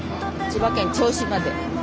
千葉県銚子まで。